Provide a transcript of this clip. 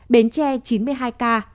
bến tre chín mươi hai ca